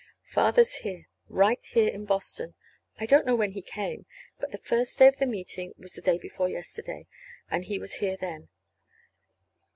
Father's here right here in Boston. I don't know when he came. But the first day of the meeting was day before yesterday, and he was here then.